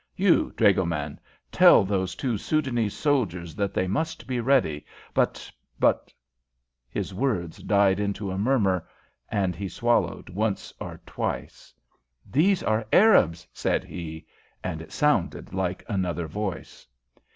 You, dragoman, tell those two Soudanese soldiers that they must be ready but, but " his words died into a murmur and he swallowed once or twice. "These are Arabs," said he, and it sounded like another voice.